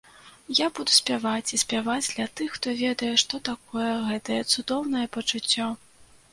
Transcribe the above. Я буду спяваць і спяваць для тых, хто ведае што такое гэтае цудоўнае пачуццё!